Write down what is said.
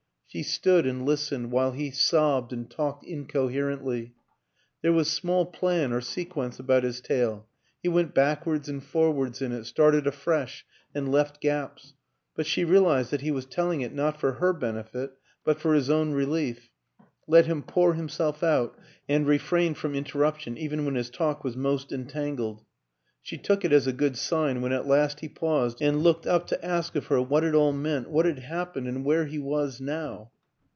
She stood and listened while he sobbed and talked incoherently. There was small plan or sequence about his tale he went backwards and forwards in it, started afresh and left gaps; but she realized that he was telling it not for her benefit, but for his own relief, let him pour him self out and refrained from interruption even when his talk was most entangled. She took it as a good sign when at last he paused and looked up to ask of her what it all meant, what had hap pened, and where he was now?